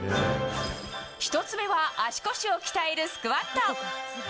１つ目は足腰を鍛えるスクワット。